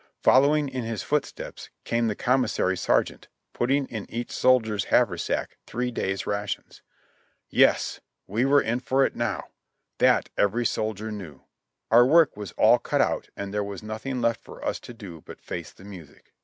Following in his footsteps came the commissary sergeant, putting in each soldier's haversack three days' rations. Yes, we were in for it now ! That, every soldier knew. Our work was all cut out and there was nothing left for us to do but face the music.